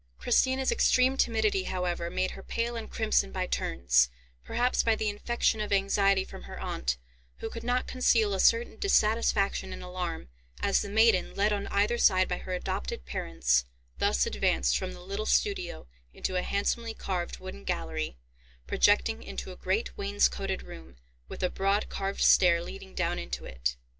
Christina's extreme timidity, however, made her pale and crimson by turns, perhaps by the infection of anxiety from her aunt, who could not conceal a certain dissatisfaction and alarm, as the maiden, led on either side by her adopted parents, thus advanced from the little studio into a handsomely carved wooden gallery, projecting into a great wainscoated room, with a broad carved stair leading down into it.